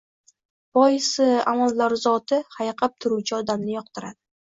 Boisi, amaldor zoti... hayiqib turuvchi odamni yoqtiradi.